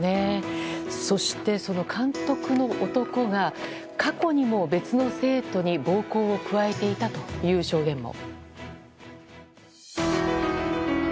そして、その監督の男が過去にも別の生徒に暴行を加えていたという証言も。